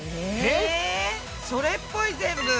全部それっぽい。